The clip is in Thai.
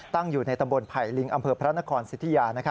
อยู่ในตำบลไผ่ลิงอำเภอพระนครสิทธิยา